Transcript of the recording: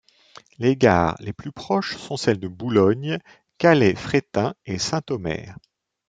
Les gares les plus proches sont celles de Boulogne, Calais-Fréthun et Saint-Omer.